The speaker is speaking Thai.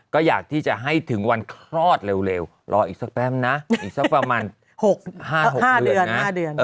ก็อยากที่จะให้ถึงวันคลอดเร็วรออีกสักแป๊บนะอีกสักประมาณ๕๖เดือนนะ